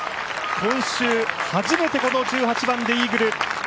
今週初めてこの１８番でイーグル。